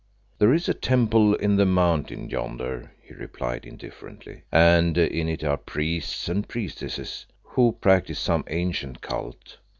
"There is a temple on the Mountain yonder," he replied indifferently, "and in it are priests and priestesses who practise some ancient cult.